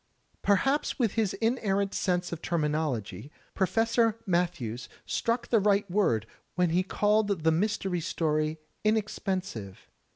Perhaps with his inerrant sense of terminology. Professor Matthews struck the right word when he called the Mystery Story inexpensive.